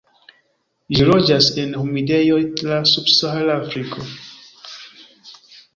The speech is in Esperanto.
Ĝi loĝas en humidejoj tra subsahara Afriko.